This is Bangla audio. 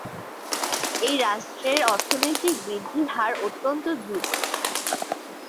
এই রাষ্ট্রের অর্থনৈতিক বৃদ্ধির হার অত্যন্ত দ্রুত।